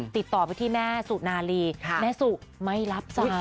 ติดต่อไปที่แม่สุนารีแม่สุไม่รับจ้ะ